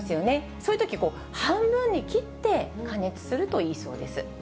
そういうとき、半分に切って加熱するといいそうです。